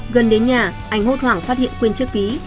gần đến nhà anh hốt hoảng phát hiện quên chức ví